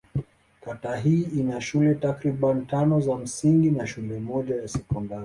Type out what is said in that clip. Kata hii ina shule takriban tano za msingi na shule moja ya sekondari.